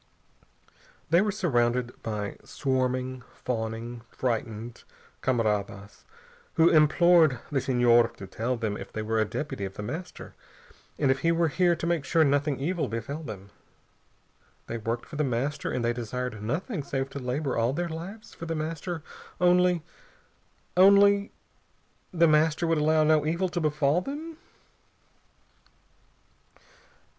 They were surrounded by swarming, fawning, frightened camaradas who implored the Senhor to tell them if he were a deputy of The Master, and if he were here to make sure nothing evil befell them. They worked for The Master, and they desired nothing save to labor all their lives for The Master, only only The Master would allow no evil to befall them?